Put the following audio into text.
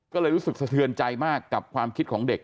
ก็เลยรู้สึกสะเทือนใจมากกับความคิดของเด็ก